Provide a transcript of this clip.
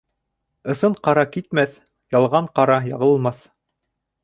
Ысын ҡара китмәҫ, ялған ҡара яғылмаҫ.